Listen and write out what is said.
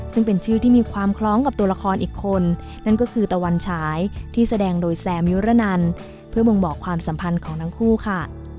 ซึ่งเป็นชื่อที่มีความคล้องกับตัวละครอีกคนนั่นก็คือตะวันฉายที่แสดงโดยแซมยุรนันเพื่อบ่งบอกความสัมพันธ์ของทั้งคู่ค่ะ